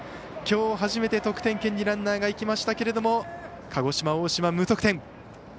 きょう初めて得点圏にランナーがいきましたけれども鹿児島、大島、無得点。